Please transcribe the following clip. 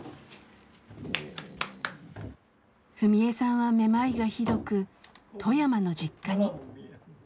史恵さんはめまいがひどく富山の実家に。